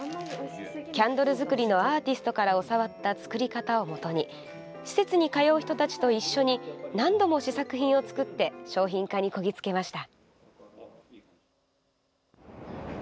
キャンドル作りのアーティストから教わった作り方をもとに施設に通う人たちと一緒に何度も試作品を作って商品化に、こぎ着けました。